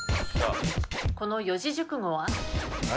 この四字熟語は？